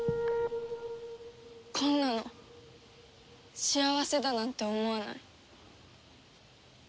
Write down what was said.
こんなの幸せだなんて思わない。